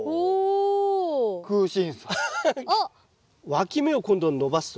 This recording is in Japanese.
わき芽を今度伸ばすという。